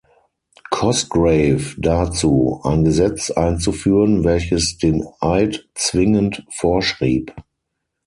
Cosgrave dazu, ein Gesetz einzuführen, welches den Eid zwingend vorschrieb.